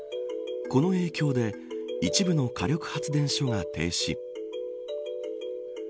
この影響で一部の火力発電所が停止。